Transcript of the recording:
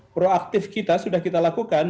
proaktif kita sudah kita lakukan